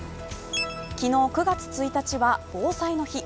昨日９月１日は防災の日。